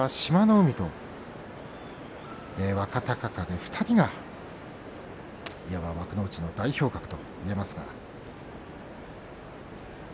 海と若隆景、２人がいわば幕内の代表格といえます。